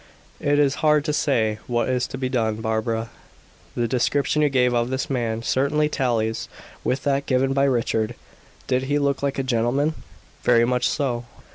"It is hard to say what is to be done, Barbara. The description you gave of this man certainly tallies with that given by Richard. Did he look like a gentleman?" "Very much so.